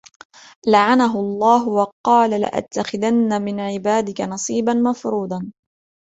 لَعَنَهُ اللَّهُ وَقَالَ لَأَتَّخِذَنَّ مِنْ عِبَادِكَ نَصِيبًا مَفْرُوضًا